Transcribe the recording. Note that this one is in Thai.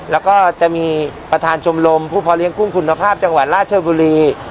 แล้วก็จะมีประธานชมรมผู้พอเลี้ยกุ้งคุณภาพจังหวัดราชบุรี